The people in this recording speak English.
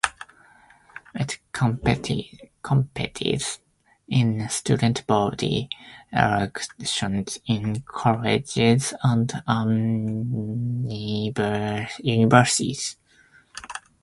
It competes in student-body elections in colleges and universities.